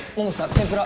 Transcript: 天ぷら。